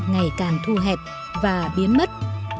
ngày càng thu hẹp và biến mất